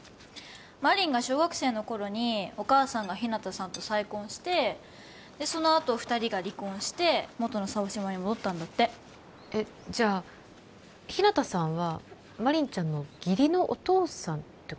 真凛が小学生の頃にお母さんが日向さんと再婚してでそのあと２人が離婚して元の沢島に戻ったんだってえっじゃあ日向さんは真凛ちゃんの義理のお父さんってこと？